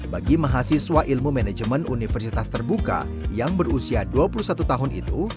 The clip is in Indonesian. bagi mahasiswa ilmu manajemen universitas terbuka yang berusia dua puluh satu tahun itu